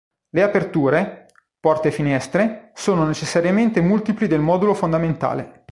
Le aperture, porte e finestre, sono necessariamente multipli del modulo fondamentale.